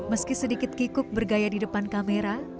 meski sedikit kikuk bergaya di depan kamera